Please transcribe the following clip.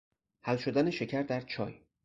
حل شدن شکر در چای